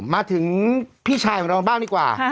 มาถึงพี่ชายของเราบ้างดีกว่า